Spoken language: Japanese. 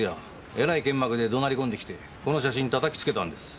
えらい剣幕で怒鳴り込んできてこの写真叩きつけたんです。